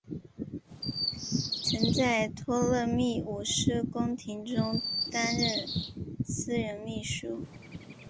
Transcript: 曾在托勒密五世宫廷中担任私人秘书。